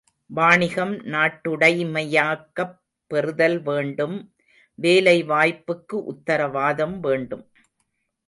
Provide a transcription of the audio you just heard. வாணிகம் நாட்டுடைமையாக்கப் பெறுதல் வேண்டும் வேலை வாய்ப்புக்கு உத்தரவாதம் வேண்டும்.